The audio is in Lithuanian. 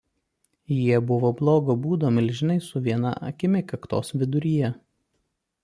Jie buvo blogo būdo milžinai su viena akimi kaktos viduryje.